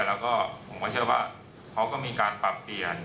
แล้วก็ผมก็เชื่อว่าเขาก็มีการปรับเปลี่ยน